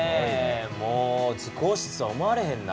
もう図工室とは思われへんな。